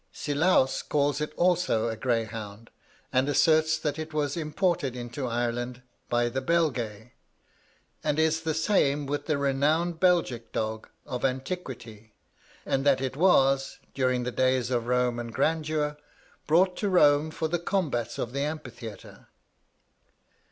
Silaus calls it also a greyhound, and asserts that it was imported into Ireland by the Belgæ, and is the same with the renowned Belgic dog of antiquity, and that it was, during the days of Roman grandeur, brought to Rome for the combats of the Amphitheatre.